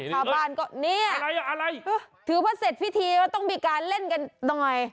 ชาวบ้านก็เนี่ยถือว่าเสร็จพิธีต้องมีการเล่นกันหน่อย